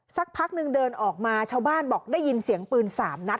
สักพักนึงเดินออกมาชาวบ้านบอกได้ยินเสียงปืน๓นัด